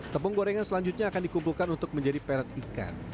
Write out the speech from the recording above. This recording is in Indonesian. tepung gorengan selanjutnya akan dikumpulkan untuk menjadi peret ikan